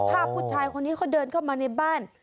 ผู้ชายคนนี้เขาเดินเข้ามาในบ้าน